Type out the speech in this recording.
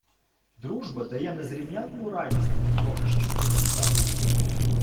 Дружба дає незрівнянну радість від того, що ти віддав.